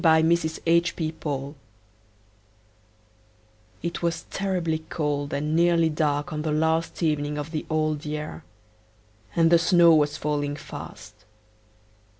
THE LITTLE MATCH SELLER It was terribly cold and nearly dark on the last evening of the old year, and the snow was falling fast.